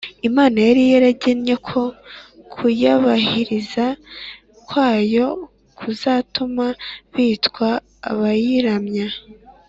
imana yari yaragennye ko kuyubahiriza kwabo kuzatuma bitwa abayiramya